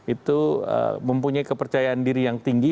itu mempunyai kepercayaan diri yang tinggi